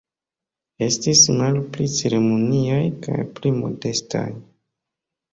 Estis malpli ceremoniaj kaj pli modestaj.